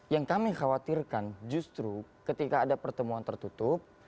yang kami khawatirkan justru ketika ada pertemuan tertutup